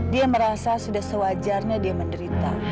dia merasa sudah sewajarnya dia menderita